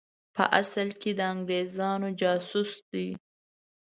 په اصل کې د انګرېزانو جاسوس دی.